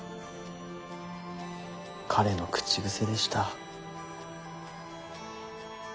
彼の口癖でした。